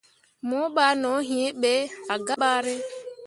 Mo ɓah no hĩĩ ɓe ah gah bare.